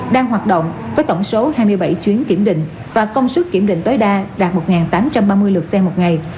đang hoạt động với tổng số hai mươi bảy chuyến kiểm định và công sức kiểm định tối đa đạt một tám trăm ba mươi lượt xe một ngày